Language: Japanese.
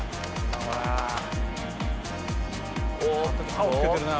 刃を付けてるな。